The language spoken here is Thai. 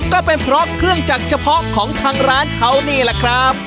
ก็เป็นเพราะเครื่องจักรเฉพาะของทางร้านเขานี่แหละครับ